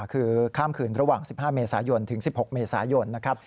คือข้ามคืนระหว่าง๑๕เมษายนถึง๑๖เมษายนนะครับ